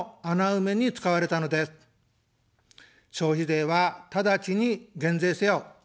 消費税はただちに減税せよ。